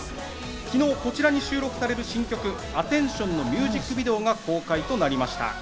昨日、こちらに収録される新曲『Ａ１０ＴＩＯＮ』のミュージックビデオが公開となりました。